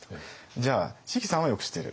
じゃあ椎木さんはよく知ってる。